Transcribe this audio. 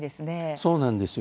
そうなんです。